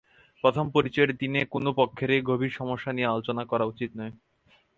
প্রথম পরিচয়ের দিনে কোনো পক্ষেরই গভীর সমস্যা নিয়ে আলোচনা করা উচিত নয়।